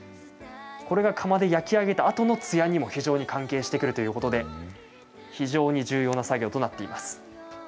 これが窯で焼き上げたあとのツヤにも非常に関係してくるということで非常に重要な作業となっています。